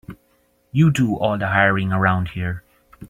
You do all the hiring around here.